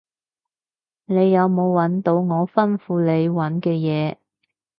你有冇搵到我吩咐你搵嘅嘢？